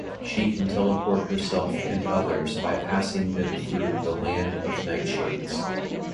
She can teleport herself and others by passing them through the Land of Nightshades.